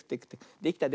できた。